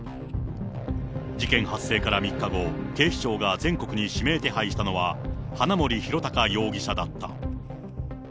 事件発生から３日後、警視庁が全国に指名手配したのは、花森弘卓容疑者だった。